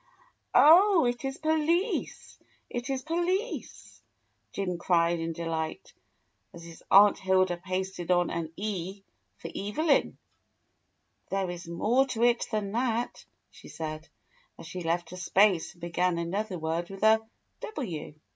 "Oh, it is 'Police,' it is 'Police'!" Jim cried in de light, as his Aunt Hilda pasted on an E for Evelyn. "There is more to it than that," she said, as she left a space and began another word with a W.